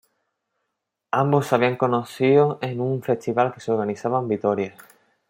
Ambos se habían conocido en un festival que se organizaba en Vitoria.